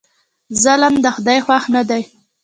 ظلم د خدای خوښ نه دی.